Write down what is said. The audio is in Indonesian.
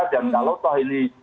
dan kalau toh ini